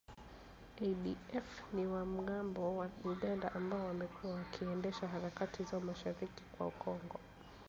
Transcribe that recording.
ADF ni wanamgambo wa Uganda ambao wamekuwa wakiendesha harakati zao mashariki mwa Kongo